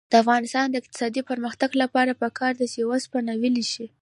د افغانستان د اقتصادي پرمختګ لپاره پکار ده چې اوسپنه ویلې شي.